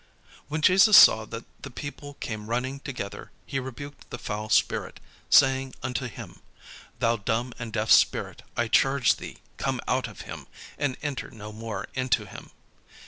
When Jesus saw that the people came running together, he rebuked the foul spirit, saying unto him: "Thou dumb and deaf spirit, I charge thee, come out of him, and enter no more into him."